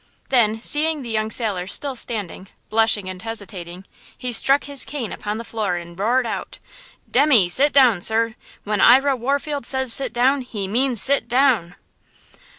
Then, seeing the young sailor still standing, blushing and hesitating, he struck his cane upon the floor and roared out: "Demmy, sit down, sir! When Ira Warfield says sit down, he means sit down!"